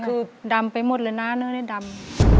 คือดำไปหมดเลยนะเนื้อนี่ดำ